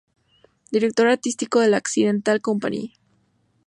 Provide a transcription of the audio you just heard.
Director artístico de la Accidental Company.